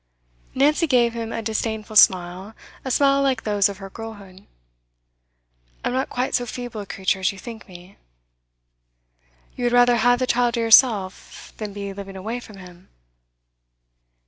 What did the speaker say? Nancy gave him a disdainful smile, a smile like those of her girlhood. 'I'm not quite so feeble a creature as you think me.' 'You would rather have the child to yourself, than be living away from him?